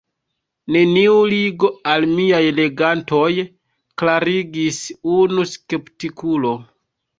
Neniu ligo al miaj legantoj, klarigis unu skeptikulo.